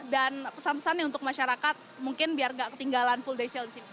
dan pesan pesan untuk masyarakat mungkin biar nggak ketinggalan full day sale